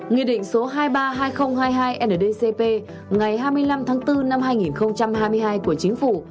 nghị định số hai trăm ba mươi hai nghìn hai mươi hai ndcp ngày hai mươi năm tháng bốn năm hai nghìn hai mươi hai của chính phủ